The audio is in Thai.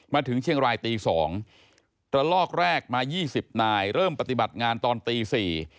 มาถึงเชียงรายตีสองระลอกแรกมายี่สิบนายเริ่มปฏิบัติงานตอนตีสี่